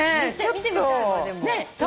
見てみたいわでも。